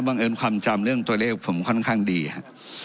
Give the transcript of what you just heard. วังเงินคำจำเรื่องตัวเลขผมค่อนข้างดีฮะ